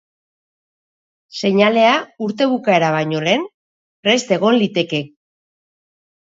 Seinalea urte bukaera baino lehen prest egon liteke.